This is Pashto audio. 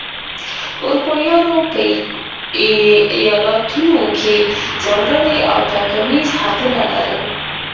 اروپایانو په ایالتونو کې ځانګړي او توکمیز حقونه لرل.